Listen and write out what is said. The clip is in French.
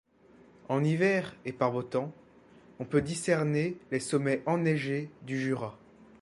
En hiver et par beau temps, on peut discerner les sommets enneigés du Jura.